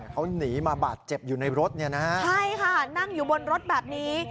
เขาหนีมาบาดเจ็บอยู่ในรถเนี่ยนะฮะใช่ค่ะนั่งอยู่บนรถแบบนี้